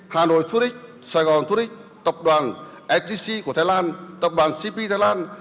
hà nội tourist sài gòn tourist tập đoàn ftc của thái lan tập đoàn cp thái lan